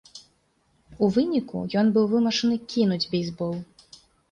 У выніку ён быў вымушаны кінуць бейсбол.